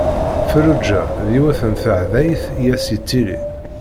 Ferruǧa d yiwet n teḥdayt i as-yettilin.